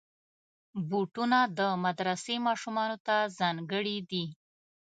بوټونه د مدرسې ماشومانو ته ځانګړي دي.